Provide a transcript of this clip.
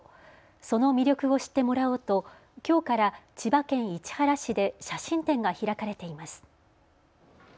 その魅力を知ってもらおうときょうから千葉県市原市で写真展が開かれています。